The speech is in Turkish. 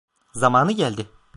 Zamanı geldi.